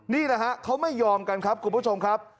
นี่แหละฮะเขาไม่ยอมกันครับคุณผู้ชมครับ